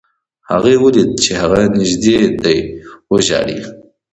هغې ولیدل چې هغه نږدې دی وژاړي